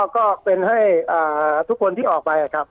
ก็เป็นให้ทุกคนที่ออกไปครับ